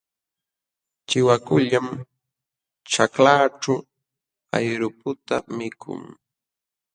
Chiwakullam ćhaklaaćhu ayraputa mikun.